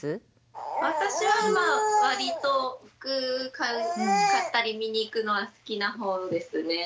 私は割と服買ったり見に行くのは好きな方ですね。